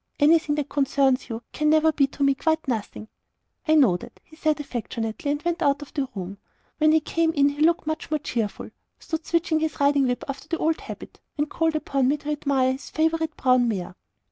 '" "Anything that concerns you can never be to me quite 'nothing.'" "I know that," he said, affectionately, and went out of the room. When he came in he looked much more cheerful stood switching his riding whip after the old habit, and called upon me to admire his favourite brown mare.